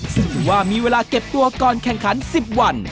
ซึ่งถือว่ามีเวลาเก็บตัวก่อนแข่งขัน๑๐วัน